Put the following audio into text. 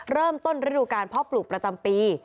เริ่มต้นฤดูการเพาะปลูกประจำปี